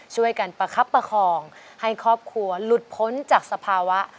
ช่วยกันประคับประคองให้ครอบครัวหลุดพ้นจากสภาวะ